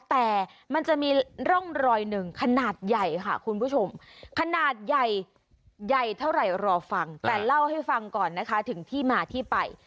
แต่มันจะมีร่องรอยหนึ่งขนาดใหญ่ค่ะคุณผู้ชมขนาดใหญ่ใหญ่เท่าไหร่รอฟังแต่เล่าให้ฟังก่อนนะคะถึงที่มาที่ไป